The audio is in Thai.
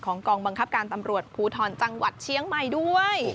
กองบังคับการตำรวจภูทรจังหวัดเชียงใหม่ด้วย